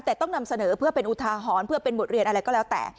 แต่ต้องนำเสนอเพื่อเป็นอุทาหรณ์เพื่อเป็นบทเรียนอะไรก็แล้วแต่